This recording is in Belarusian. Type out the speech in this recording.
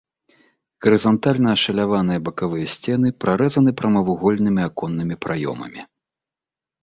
Гарызантальна ашаляваныя бакавыя сцены прарэзаны прамавугольнымі аконнымі праёмамі.